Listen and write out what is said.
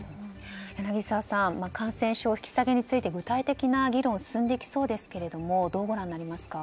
柳澤さん感染症引き下げについて具体的な議論が進んできそうですがどうご覧になりますか？